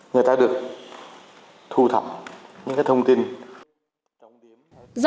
người ta được thu thập những cái thông tin